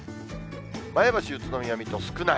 前橋、宇都宮、水戸、少ない。